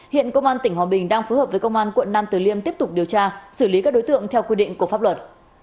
hiện công an tỉnh hòa bình đang phối hợp với công an quận nam từ liêm tiếp tục điều tra xử lý các đối tượng theo quy định của pháp luật